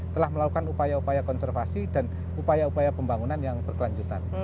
telah melakukan upaya upaya konservasi dan upaya upaya pembangunan yang berkelanjutan